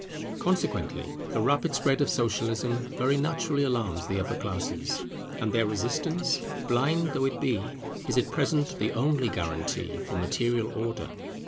Consequently the rapid spread of Socialism very naturally alarms the upper classes; and their resistance, blind though it be, is at present the only legal guarantee for material order.